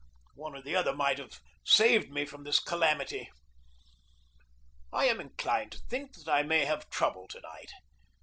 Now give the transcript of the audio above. One or the other might have saved me from this calamity. I am inclined to think that I may have trouble to night.